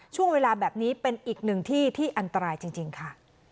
ช่วงเวลาแบบนี้เป็นอีกหนึ่งที่ที่อันตรายจริงค่ะ